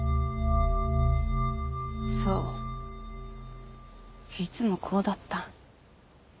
そういつもこうだった。